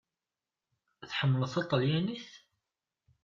Tḥemmleḍ taṭelyanit?